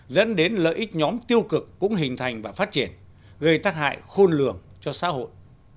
dẫn đến lợi ích nhóm tiêu cực cũng hình thành và phát triển gây tác hại khôn lường cho xã hội